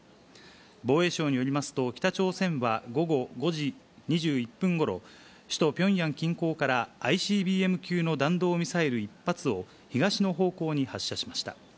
防衛省によりますと、北朝鮮は午後５時２１分ごろ、首都ピョンヤン近郊から、ＩＣＢＭ級の弾道ミサイル１発を、東の方向に発射しました。